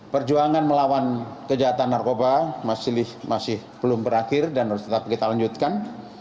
perjuangan melawan kejahatan narkoba masih belum berakhir dan harus tetap kita lanjutkan